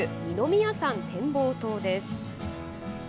宮山展望塔です。